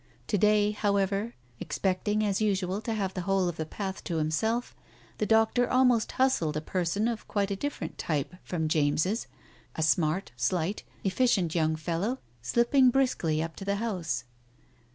To day, however, expecting as usual to have the whole of the path to himself, the doctor almost hustled a person of quite a different type from James's, a smart, slight, efficient young fellow slipping briskly up to the house.